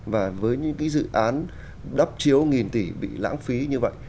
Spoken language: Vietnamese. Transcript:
và với những cái dự án đắp chiếu nghìn tỷ bị lãng phí như vậy